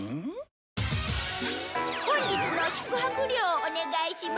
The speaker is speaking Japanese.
本日の宿泊料お願いします。